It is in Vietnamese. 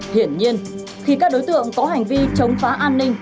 hiển nhiên khi các đối tượng có hành vi chống phá an ninh